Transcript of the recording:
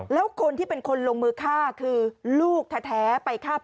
แล้วคนที่เป็นคนลงมือฆ่าคือลูกแท้ไปฆ่าพ่อ